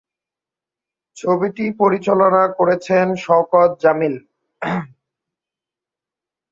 ছবিটি পরিচালনা করেছেন শওকত জামিল।